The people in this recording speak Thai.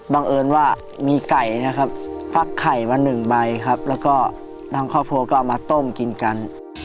บังเอิญว่ามีไก่พักไข่มาหนึ่งใบแล้วก็น้ำคอพัวก็เอามาต้มกินกัน